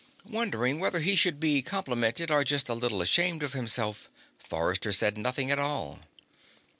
Wondering whether he should be complimented or just a little ashamed of himself, Forrester said nothing at all.